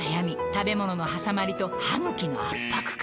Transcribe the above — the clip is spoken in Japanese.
食べ物のはさまりと歯ぐきの圧迫感